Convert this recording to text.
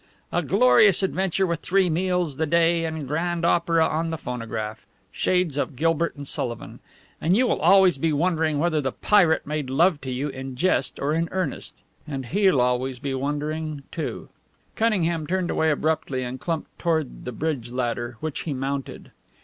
A glorious adventure, with three meals the day and grand opera on the phonograph. Shades of Gilbert and Sullivan! And you will always be wondering whether the pirate made love to you in jest or in earnest and he'll always be wondering, too!" Cunningham turned away abruptly and clumped toward the bridge ladder, which he mounted.